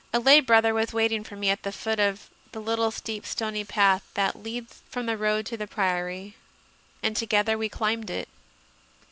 A lay brother was waiting for me at the foot of the little steep stony path that leads from the road to the Priory, and together we climbed it.